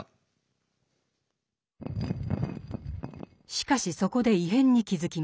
しかしそこで異変に気付きます。